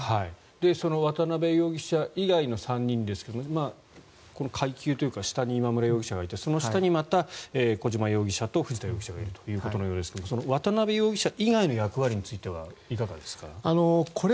その渡邉容疑者以外の３人ですが階級というか下に今村容疑者がいてその下にまた小島容疑者と藤田容疑者がいるということのようですが渡邉容疑者以外の役割についてはいかがですか。